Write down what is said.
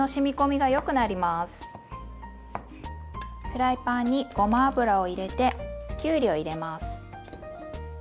フライパンにごま油を入れてきゅうりを入れます。